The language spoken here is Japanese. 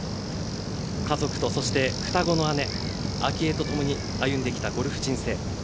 家族とそして双子の姉、明愛とともに歩んできたゴルフ人生。